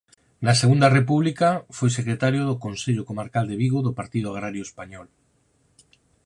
Na Segunda República foi secretario do Consello comarcal de Vigo do Partido Agrario Español.